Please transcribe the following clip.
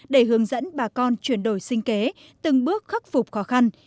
để hướng dẫn bà con chuyển đổi sinh kế từng bước khắc phục khó khăn